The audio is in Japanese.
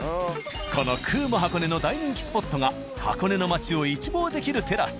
このｃｕ―ｍｏ箱根の大人気スポットが箱根の街を一望できるテラス。